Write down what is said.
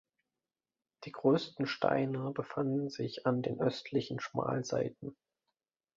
Die größten Steine befanden sich an den östlichen Schmalseiten.